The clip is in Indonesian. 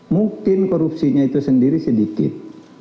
mungkin korupsinya itu sendiri sedikit